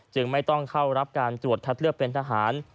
จึงไม่ต้องเข้ารับการตรวจคัดเลือกเป็นทหาร